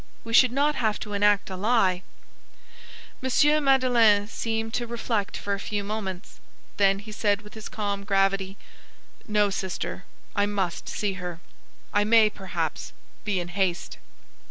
We should not have to enact a lie." M. Madeleine seemed to reflect for a few moments; then he said with his calm gravity:— "No, sister, I must see her. I may, perhaps, be in haste."